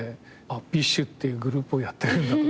ＢｉＳＨっていうグループをやってるんだとか。